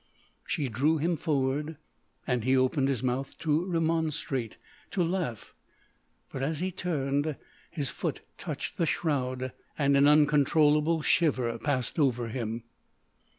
She drew him forward, and he opened his mouth to remonstrate, to laugh; but as he turned, his foot touched the shroud, and an uncontrollable shiver passed over him.